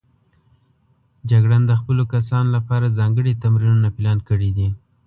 جګړن د خپلو کسانو لپاره ځانګړي تمرینونه پلان کړي دي.